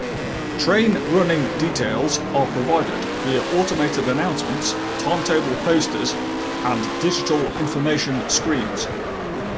Train running details are provided via automated announcements, timetable posters and digital information screens.